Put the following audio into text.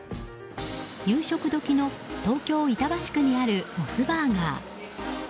夕食時の東京・板橋区にあるモスバーガー。